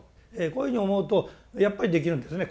こういうふうに思うとやっぱりできるんですね